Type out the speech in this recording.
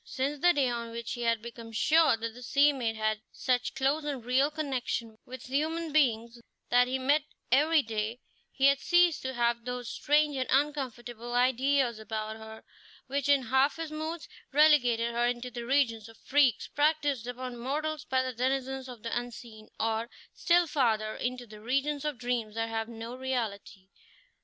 Since the day on which he had become sure that the sea maid had such close and real connection with human beings that he met every day, he had ceased to have those strange and uncomfortable ideas about her, which, in half his moods, relegated her into the region of freaks practised upon mortals by the denizens of the unseen, or, still farther, into the region of dreams that have no reality.